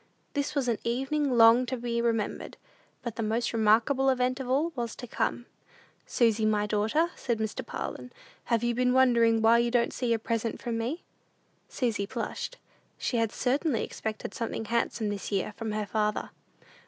This was an evening long to be remembered; but the most remarkable event of all was to come. "Susy, my daughter," said Mr. Parlin, "have you been wondering why you don't see a present from me?" Susy blushed. She had certainly expected something handsome this year from her father.